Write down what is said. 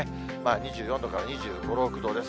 ２４度から２５、６度です。